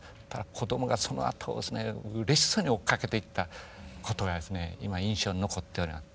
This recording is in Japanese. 子供がそのあとをうれしそうに追っかけていったことが今印象に残っております。